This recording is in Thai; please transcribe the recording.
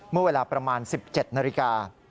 เมื่อเวลาประมาณ๑๗นาฬิกา